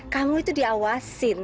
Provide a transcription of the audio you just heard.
kamu itu diawasin